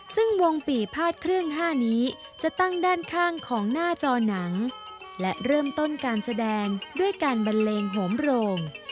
ซึ่งวงปี่พาดเครื่อง๕นี้จะตั้งด้านข้างของหน้าจอหนังและเริ่มต้นการแสดงด้วยการบันเลงโหมโรง